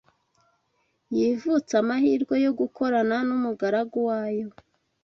yivutse amahirwe yo gukorana n’umugaragu wayo.